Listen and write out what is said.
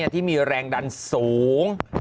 ที่มีแรงดันสูง